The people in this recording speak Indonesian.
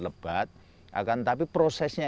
lebat akan tapi prosesnya